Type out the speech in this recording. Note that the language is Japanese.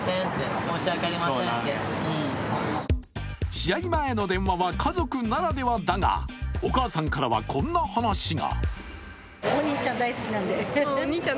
試合前の電話は家族ならではだが、お母さんからはこんな話が。